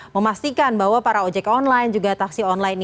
memastikan bahwa para ojek online juga taksi online ini